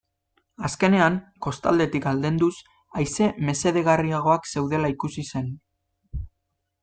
Azkenean, kostaldetik aldenduz, haize mesedegarriagoak zeudela ikusi zen.